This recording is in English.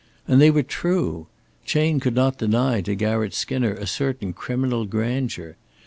And they were true! Chayne could not deny to Garratt Skinner a certain criminal grandeur.